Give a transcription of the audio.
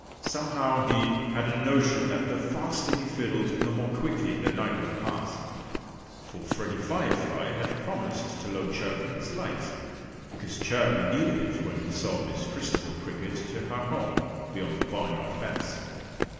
Somehow he had a notion that the faster he fiddled the more quickly the night would pass. For Freddie Firefly had promised to loan Chirpy his light, because Chirpy needed it when he saw Miss Christabel Cricket to her home beyond the barnyard fence.